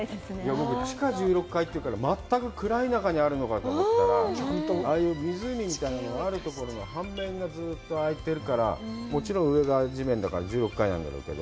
僕、地下１６階というから全く暗いところにあると思ったら、ああいう湖みたいなのがあるところの半面があいてるから、上が地面だから、１６階だろうけど。